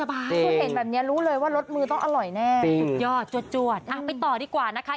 พอเห็นแบบนี้รู้เลยว่ารสมือต้องอร่อยแน่สุดยอดจวดไปต่อดีกว่านะคะ